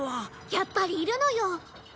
やっぱりいるのよ。